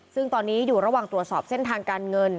ซึ่งตอนนี้อยู่ระหว่างตรวจสอบเส้นทางการเงิน